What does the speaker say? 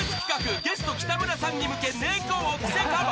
ゲスト、北村さんに向け「猫」をクセカバー。